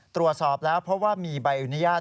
ตรวจสอบแล้วเพราะว่ามีใบอนุญาต